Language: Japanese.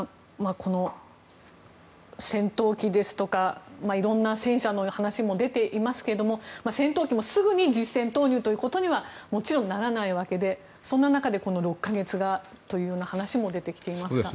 この戦闘機ですとかいろいろと戦車の話も出ていますが戦闘機もすぐに実戦投入ということにはもちろんならないわけでそんな中でこの６か月がという話も出てきていますが。